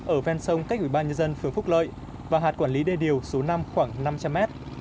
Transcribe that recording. ở ven sông cách ủy ban nhân dân phường phúc lợi và hạt quản lý đê điều số năm khoảng năm trăm linh mét